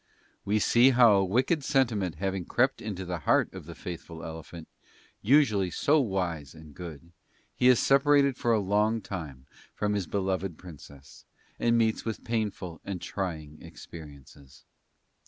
We see how a wicked sentiment having crept into the heart of the faithful Elephant, usually so wise and good, he is separated for a long time from his beloved Princess, and meets with painful and trying experiences.